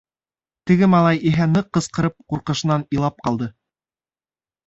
Теге малай иһә ныҡ ҡысҡырып, ҡурҡышынан илап ҡалды.